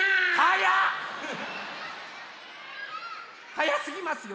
はやすぎますよ。